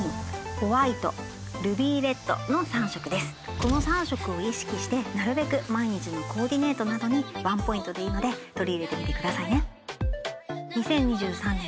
この３色を意識してなるべく毎日のコーディネートの中にワンポイントでいいので取り入れてみてくださいね。